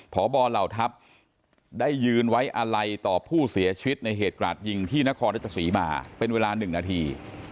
พบเหล่าทัพได้ยืนไว้อาลัยต่อผู้เสียชีวิตในเหตุกราดยิงที่นครรัชศรีมาเป็นเวลา๑นาที